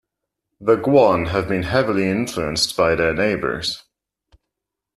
The Guan have been heavily influenced by their neighbors.